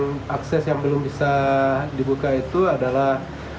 yang akses yang belum bisa dibuka itu adalah